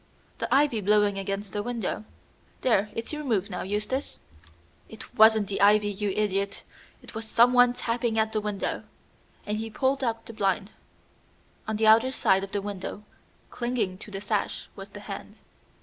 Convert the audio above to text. "The ivy blowing against the window. There, it's your move now, Eustace." "It wasn't the ivy, you idiot. It was someone tapping at the window," and he pulled up the blind. On the outer side of the window, clinging to the sash, was the hand.